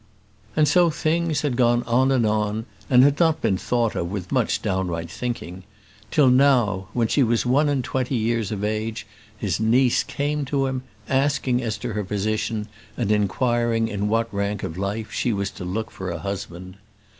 And so things had gone on and on, and had not been thought of with much downright thinking; till now, when she was one and twenty years of age, his niece came to him, asking as to her position, and inquiring in what rank of life she was to look for a husband.